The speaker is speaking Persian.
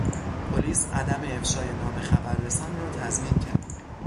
پلیس عدم افشای نام خبررسان را تضمین کرد.